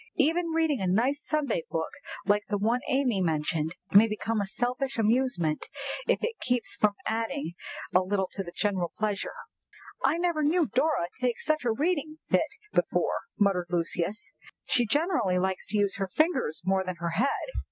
"Even reading a nice Sunday book like the one Amy mentioned may become a selfish amusement, if it keeps us from adding a little to the general pleasure." "I never knew Dora take such a reading fit before," muttered Lucius; "she generally likes to use her fingers more than her head."